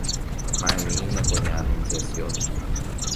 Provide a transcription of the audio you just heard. Ma'ẽmínako ña Anunciación.